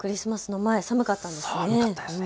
前、寒かったですね。